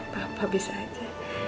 bapak bisa aja